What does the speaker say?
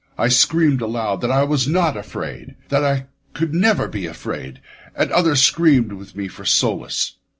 I screamed aloud that I was not afraid; that I never could be afraid; and others screamed with me for solace.